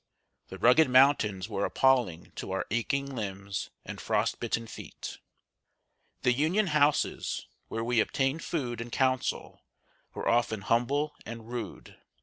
The rugged mountains were appalling to our aching limbs and frost bitten feet. The Union houses, where we obtained food and counsel, were often humble and rude.